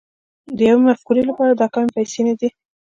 د يوې مفکورې لپاره دا کمې پيسې نه دي.